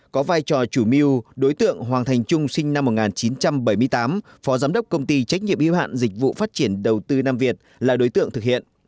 có vai trò chủ mưu đối tượng hoàng thành trung sinh năm một nghìn chín trăm bảy mươi tám phó giám đốc công ty trách nhiệm yêu hạn dịch vụ phát triển đầu tư nam việt là đối tượng thực hiện